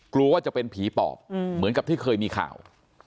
กลัวว่าจะเป็นผีปอบเหมือนกับที่เคยมีข่าว